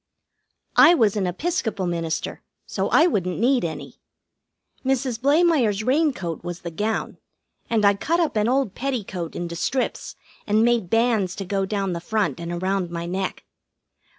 I was an Episcopal minister, so I wouldn't need any. Mrs. Blamire's raincoat was the gown, and I cut up an old petticoat into strips, and made bands to go down the front and around my neck.